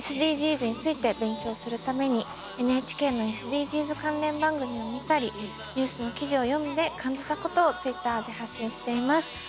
ＳＤＧｓについて勉強するためにＮＨＫのＳＤＧｓ関連番組を見たりニュースの記事を読んで感じたことをＴｗｉｔｔｅｒで発信しています。